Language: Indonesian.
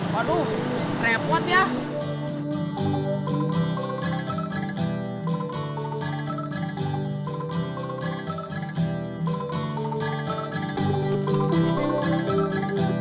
kalau enggak ada gak bisa latihan